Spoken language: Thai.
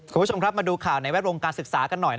คุณผู้ชมครับมาดูข่าวในแวดวงการศึกษากันหน่อย